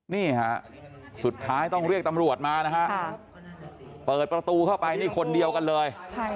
นี่ฮะสุดท้ายต้องเรียกตำรวจมานะฮะเปิดประตูเข้าไปนี่คนเดียวกันเลย